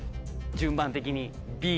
順番的に。